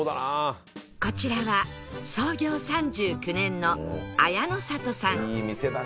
こちらは創業３９年の綾の里さん